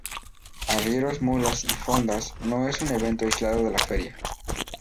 Arrieros mulas y fondas no es un evento aislado de la feria.